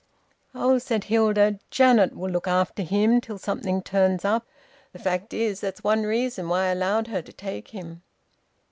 "Oh," said Hilda, "Janet will look after him till something turns up. The fact is, that's one reason why I allowed her to take him."